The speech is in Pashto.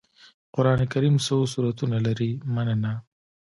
قرآن کريم څو سورتونه لري مننه